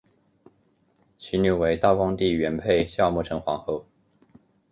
其女为道光帝元配孝穆成皇后。